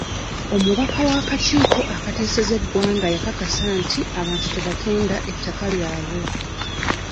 Omubaka w'akakiiko akateeseza eggwanga yakakasa nti abantu tebatunda ettaka lyabwe.